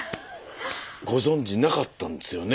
ご存じなかったんですよね。